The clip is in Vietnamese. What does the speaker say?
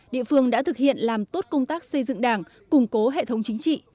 địa phương đã thực hiện làm tốt công tác xây dựng đảng củng cố hệ thống chính trị